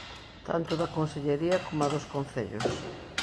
Tanto da Consellería coma dos Concellos.